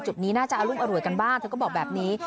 จุดนี้น่าจะอรุมอร่วยกันบ้างเธอก็บอกแบบนี้